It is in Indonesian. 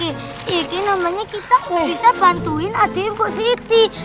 ini namanya kita bisa bantuin adiknya ke situ